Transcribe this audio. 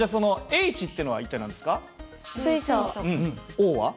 Ｏは？